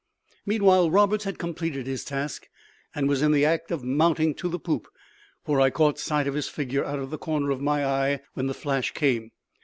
Meanwhile, Roberts had completed his task, and was in the act of mounting to the poop for I caught sight of his figure out of the corner of my eye when the flash came.